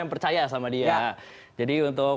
yang percaya sama dia jadi untuk